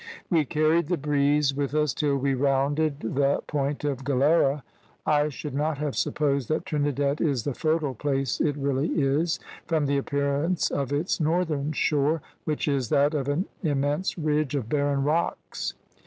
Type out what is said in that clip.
We carried the breeze with us till we rounded the point of Galera. I should not have supposed that Trinidad is the fertile place it really is, from the appearance of its northern shore, which is that of an immense ridge of barren rocks.